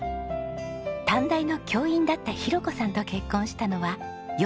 短大の教員だった浩子さんと結婚したのは４４歳の時。